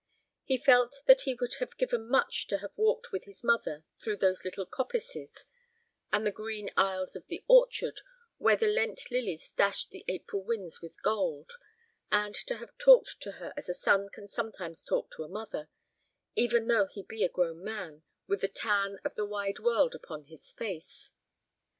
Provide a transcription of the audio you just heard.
He felt that he would have given much to have walked with his mother through those little coppices and the green aisles of the orchard where the Lent lilies dashed the April winds with gold, and to have talked to her as a son can sometimes talk to a mother, even though he be a grown man with the tan of the wide world upon his face.